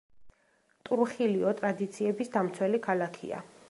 ტრუხილიო ტრადიციების დამცველი ქალაქია.